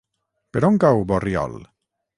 Per on cau Borriol?